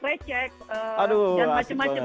ada menu precek dan macam macam